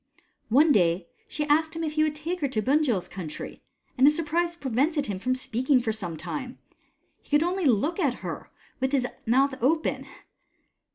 One day she asked him if he would take her to Bunjil's country, and his surprise prevented him from speaking for some time. He could only look at her, with his mouth open.